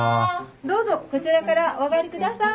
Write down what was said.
どうぞこちらからお上がりください。